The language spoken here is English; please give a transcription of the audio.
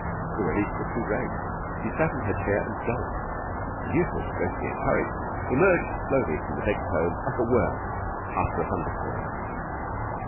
The relief was too great. She sat in her chair and gulped: and Eustace, greatly encouraged, emerged slowly from the bedclothes like a worm after a thunderstorm.